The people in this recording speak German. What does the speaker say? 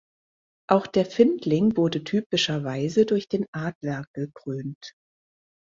Auch der Findling wurde typischerweise durch den Adler gekrönt.